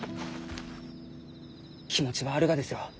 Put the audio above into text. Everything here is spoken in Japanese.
気持ちはあるがですろう？